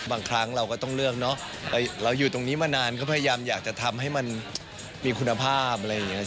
บางครั้งเราก็ต้องเลือกเนอะเราอยู่ตรงนี้มานานก็พยายามอยากจะทำให้มันมีคุณภาพอะไรอย่างนี้